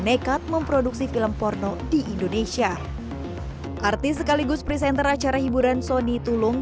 nekat memproduksi film porno di indonesia artis sekaligus presenter acara hiburan sony tulung